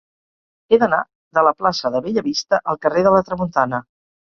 He d'anar de la plaça de Bellavista al carrer de la Tramuntana.